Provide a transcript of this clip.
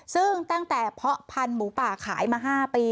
ซึ่งตั้งแต่เพาะพันธุ์หมูป่าขายมา๕ปี